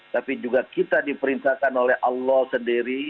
tapi juga kita diperintahkan oleh allah sendiri